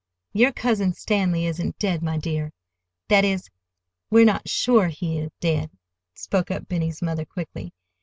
"Your Cousin Stanley isn't dead, my dear,—that is, we are not sure he is dead," spoke up Benny's mother quickly.